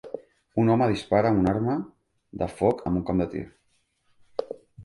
Un home dispara una arma de foc en un camp de tir.